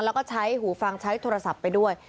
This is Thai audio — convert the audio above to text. แล้วก็ใช้หูฟังใช้โทรศัพท์ไปด้วย